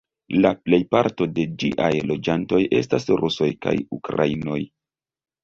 La plejparto de ĝiaj loĝantoj estas rusoj kaj ukrainoj.